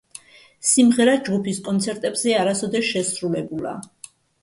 სიმღერა ჯგუფის კონცერტებზე არასოდეს შესრულებულა.